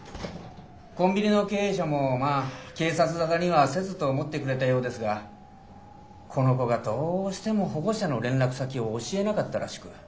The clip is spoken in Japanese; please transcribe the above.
コンビニの経営者もまあ警察沙汰にはせずと思ってくれたようですがこの子がどうしても保護者の連絡先を教えなかったらしく。